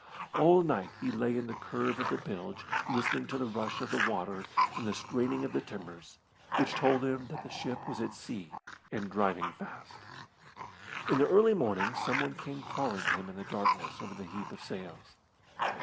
All night he lay in the curve of the bilge listening to the rush of the water and the straining of the timbers which told him that the ship was at sea and driving fast. In the early morning someone came crawling to him in the darkness over the heap of sails.